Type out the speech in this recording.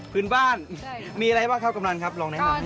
พื้นบ้านมีอะไรหรือเปล่าครับกำลังนะครับลองเนี่ยลองใหม่